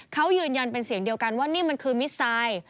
เขายืนยันเป็นเสียงเดียวกันว่านี่มันคือมิสไซด์